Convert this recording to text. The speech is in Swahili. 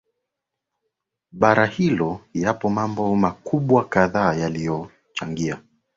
bara hilo Yapo mambo makubwa kadhaa yaliyochangia